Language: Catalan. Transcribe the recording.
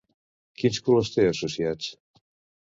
Quins colors té associats?